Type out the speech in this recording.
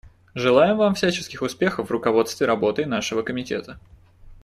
Желаем Вам всяческих успехов в руководстве работой нашего Комитета.